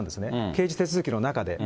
刑事手続きの中で。